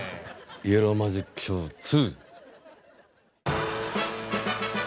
「イエローマジックショー２」。